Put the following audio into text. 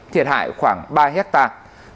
thiệt hại khoảng ba hectare